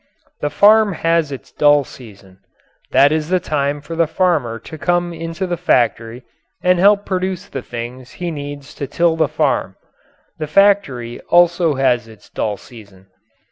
The farm has its dull season. That is the time for the farmer to come into the factory and help produce the things he needs to till the farm. The factory also has its dull season.